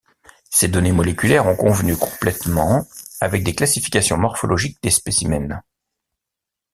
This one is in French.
Ces données moléculaires ont convenu complètement avec des classifications morphologiques des spécimens.